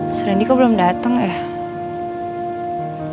tsk sering dia kok belum dateng ya